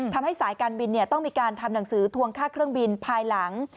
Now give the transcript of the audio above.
ทำให้สายการบินต้องมีการทำหนังสือทวงค่าเครื่องบินภายหลัง